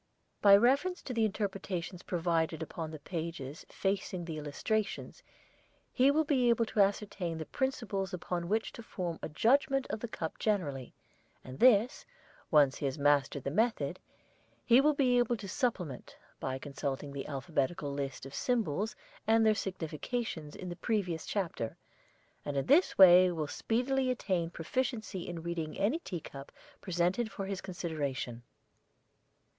By reference to the interpretations provided upon the pages facing the illustrations he will be able to ascertain the principles upon which to form a judgment of the cup generally; and this, once he has mastered the method, he will be able to supplement, by consulting the alphabetical list of symbols and their significations in the previous chapter, and in this way will speedily attain proficiency in reading any tea cup presented for his consideration.